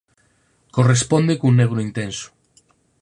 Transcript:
Corresponde cun negro intenso.